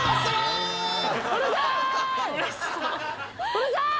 うるさい！